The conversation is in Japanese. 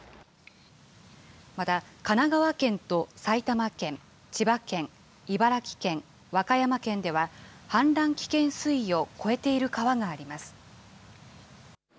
また神奈川県と埼玉県、千葉県、茨城県、和歌山県では、氾濫危険水位を超えている川があります。